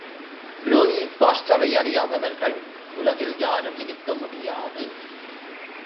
Louis பாஸ்டரை அறியாதவர்கள் உலகில் யாரும் இருக்க முடியாது.